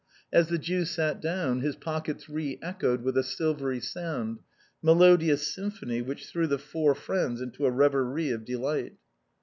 As the Jew sat down, his pockets re echoed with a silvery sound; melodious symphony, which threw the four friends into a reverie of delight.